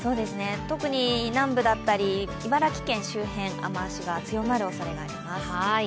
特に南部だったり茨城県周辺、雨足が強まるおそれがあります。